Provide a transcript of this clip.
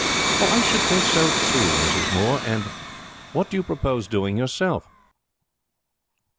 "I should think so too, Mrs. Moore. And what do you propose doing yourself?"